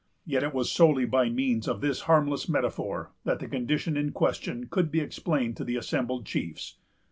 Yet it was solely by means of this harmless metaphor that the condition in question could be explained to the assembled chiefs.